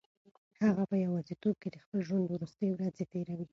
هغه په یوازیتوب کې د خپل ژوند وروستۍ ورځې تېروي.